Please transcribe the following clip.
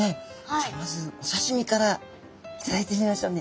じゃあまずお刺身からいただいてみましょうね。